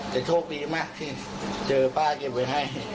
แต่โชคดีมากที่เจอป้าเก็บไว้ให้